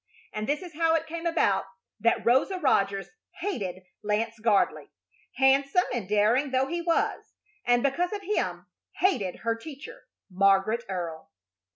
And this is how it came about that Rosa Rogers hated Lance Gardley, handsome and daring though he was; and because of him hated her teacher, Margaret Earle.